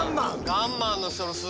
ガンマン。